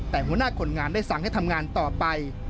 แต่หัวหน้าคนงานได้สั่งให้ทำงานต่อไป